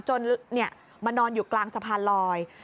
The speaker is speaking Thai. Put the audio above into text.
จนมานอนอยู่กลางสะพานลอย